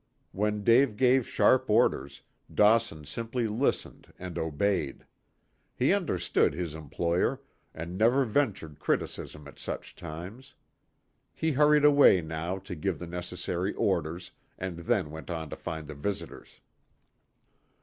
When Dave gave sharp orders, Dawson simply listened and obeyed. He understood his employer, and never ventured criticism at such times. He hurried away now to give the necessary orders, and then went on to find the visitors.